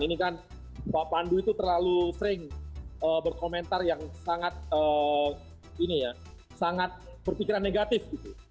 ini kan pak pandu itu terlalu sering berkomentar yang sangat berpikiran negatif